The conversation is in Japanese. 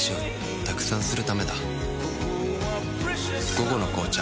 「午後の紅茶」